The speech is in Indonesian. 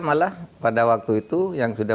malah pada waktu itu yang sudah